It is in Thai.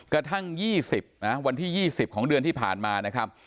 กระทั่งยี่สิบนะวันที่ยี่สิบของเดือนที่ผ่านมานะครับ